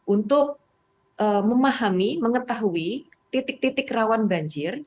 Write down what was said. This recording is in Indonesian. untuk memahami mengetahui titik titik rawan banjir